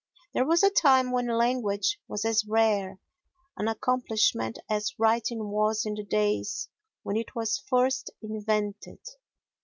There was a time when language was as rare an accomplishment as writing was in the days when it was first invented.